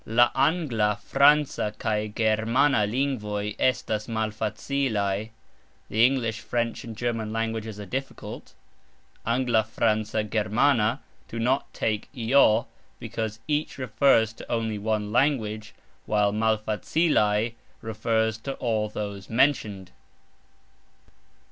"La angla, franca kaj germana lingvoj estas malfacilaj", The English, French and German languages are difficult. "Angla", "franca", "germana" do not take "j" because each refers to only one language, while "malfacilaj" refers to all those mentioned.